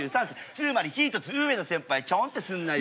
つまり１つ上の先輩ちょんってすんなよ